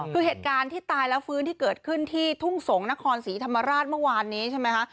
คือเหตุการณ์ที่ตายแล้วฟื้นที่เกิดขึ้นที่ทุ่งสงศ์นครศรีธรรมราชเมื่อวานนี้ใช่ไหมคะ